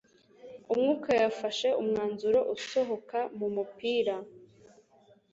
Umwuka yafashe umwanzuro usohoka mu mupira